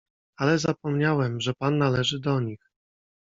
"Ale zapomniałem, że pan należy do nich."